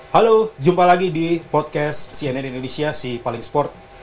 halo jumpa lagi di podcast cnn indonesia si paling sport